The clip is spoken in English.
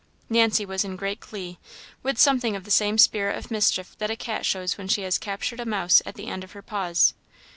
Nancy was in great glee; with something of the same spirit of mischief that a cat shows when she has a captured mouse at the end of her paws.